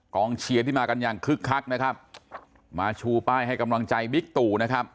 เชียร์ที่มากันอย่างคึกคักนะครับมาชูป้ายให้กำลังใจบิ๊กตู่นะครับ